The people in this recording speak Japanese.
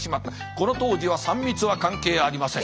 この当時は三密は関係ありません。